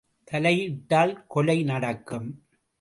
தலையிட்டால் கொலை நடக்கும்!